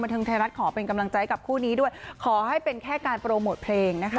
เทิงไทยรัฐขอเป็นกำลังใจกับคู่นี้ด้วยขอให้เป็นแค่การโปรโมทเพลงนะคะ